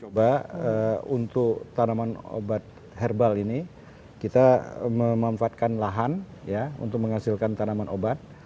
coba untuk tanaman obat herbal ini kita memanfaatkan lahan untuk menghasilkan tanaman obat